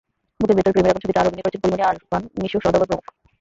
বুকের ভেতর প্রেমের আগুন ছবিতে আরও অভিনয় করেছেন পরীমনি, আরফান, মিশা সওদাগর প্রমূখ।